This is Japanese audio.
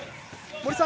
森さん